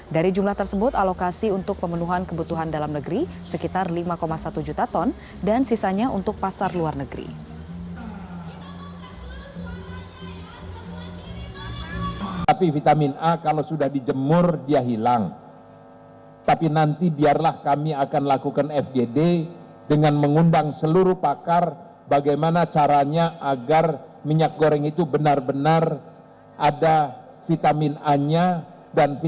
dari jumlah tersebut alokasi untuk pemenuhan kebutuhan dalam negeri sekitar lima satu juta ton dan sisanya untuk pasar luar negeri